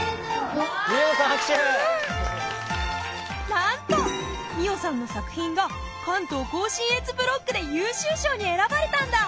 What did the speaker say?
なんとみおさんの作品が関東甲信越ブロックで優秀賞に選ばれたんだ！